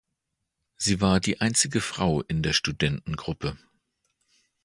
Sie war die einzige Frau in der Studentengruppe.